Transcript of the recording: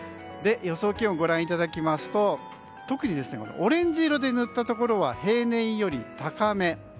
予想気温をご覧いただきますと特にオレンジ色で塗ったところは平年より高め。